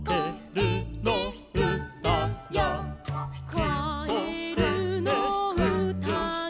「かえるのうたが」